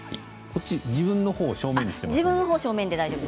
自分のほうを正面にしていいの？